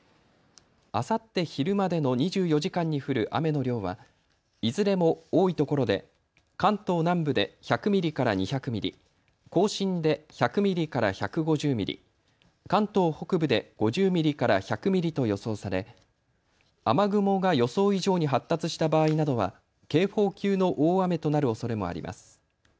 あさって昼までの２４時間に降る雨の量はいずれも多いところで関東南部で１００ミリから２００ミリ、甲信で１００ミリから１５０ミリ、関東北部で５０ミリから１００ミリと予想され雨雲が予想以上に発達した場合などは警報級の大雨となるおそれもあります。